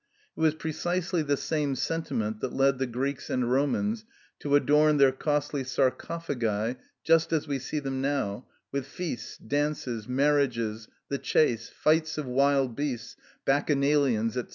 It was precisely the same sentiment that led the Greeks and Romans to adorn their costly sarcophagi, just as we see them now, with feasts, dances, marriages, the chase, fights of wild beasts, bacchanalians, &c.